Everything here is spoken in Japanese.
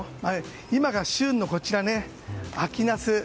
今が旬の秋ナス。